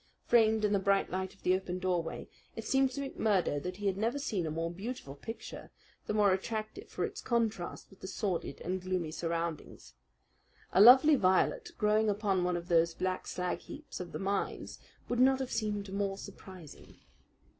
Framed in the bright light of the open doorway, it seemed to McMurdo that he had never seen a more beautiful picture; the more attractive for its contrast with the sordid and gloomy surroundings. A lovely violet growing upon one of those black slag heaps of the mines would not have seemed more surprising.